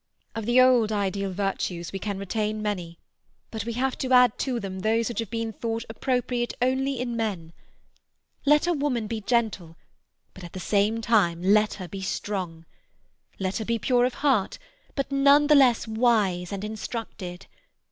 Of the old ideal virtues we can retain many, but we have to add to them those which have been thought appropriate only in men. Let a woman be gentle, but at the same time let her be strong; let her be pure of heart, but none the less wise and instructed.